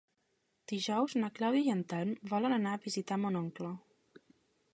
Dijous na Clàudia i en Telm volen anar a visitar mon oncle.